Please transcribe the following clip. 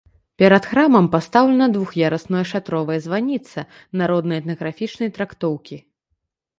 Перад храмам пастаўлена двух'ярусная шатровая званіца народна-этнаграфічнай трактоўкі.